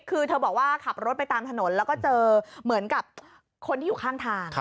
คือเธอบอกว่าขับรถไปตามถนนแล้วก็เจอเหมือนกับคนที่อยู่ข้างทาง